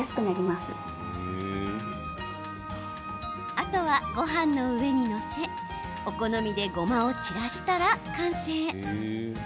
あとは、ごはんの上に載せお好みでごまを散らしたら完成。